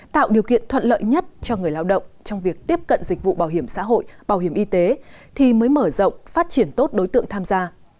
tạo điều kiện thuận lợi nhất cho người lao động trong việc tiếp cận dịch vụ bảo hiểm xã hội bảo hiểm y tế thì mới mở rộng phát triển tốt đối tượng tham gia